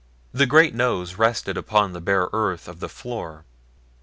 The great nose rested upon the bare earth of the floor.